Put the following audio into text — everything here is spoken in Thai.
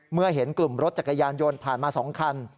เมื่อเห็นกลุ่มรถจักรยานยนต์ผ่านมา๒คัน